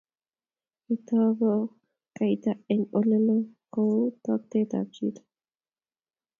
Kitooku koita eng oleloo kou toket ab chito